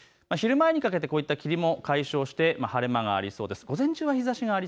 昼前にかけて霧も解消して晴れ間がありそうです。